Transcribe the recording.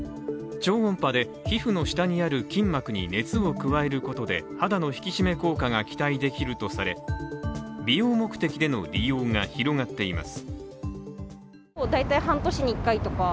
超音波で皮膚の下にある筋膜に熱を加えることで肌の引き締め効果が期待できるとされ美容目的での利用が広がっています。